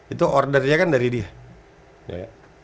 itu ordernya kan dari dia